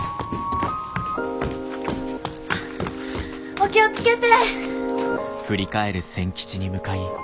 お気を付けて！